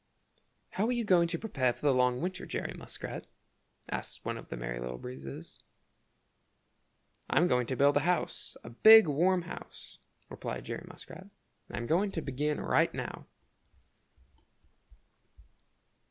"How are you going to prepare for the long cold winter, Jerry Muskrat?" asked one of the Merry Little Breezes. "I'm going to build a house, a big, warm house," replied Jerry Muskrat, "and I'm going to begin right now."